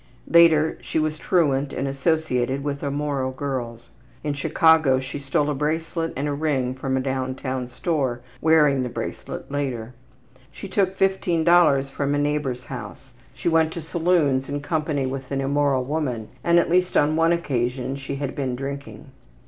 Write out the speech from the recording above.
Later she was truant and associated with immoral girls. In Chicago she stole a bracelet and a ring from a down town store, wearing the bracelet later. She took $15 from a neighbor's house. She went to saloons in company with an immoral woman, and at least on one occasion she had been drinking.